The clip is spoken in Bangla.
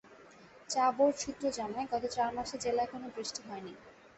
চা বোর্ড সূত্র জানায়, গত চার মাসে জেলায় কোনো বৃষ্টি হয়নি।